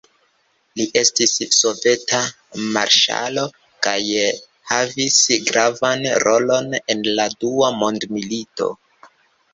Li estis soveta marŝalo kaj havis gravan rolon en la dua mondmilito.